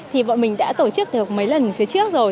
thì bọn mình đã tổ chức được mấy lần phía trước rồi